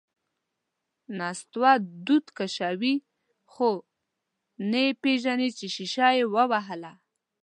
نستوه دود کشوي، خو نه یې پېژني چې شیشه یې ووهله…